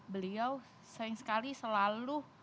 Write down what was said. beliau sering sekali selalu